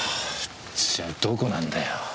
じゃどこなんだよ。